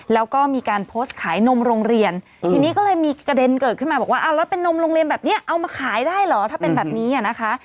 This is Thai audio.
แล้วก็มีการโพสต์ขายนมโรงเรียนทีนี้ก็เลยมีประเด็นเกิดขึ้นมาบอกว่าเอาแล้วเป็นนมโรงเรียนแบบนี้เอามาขายได้เหรอถ้าเป็นแบบนี้อ่ะนะคะ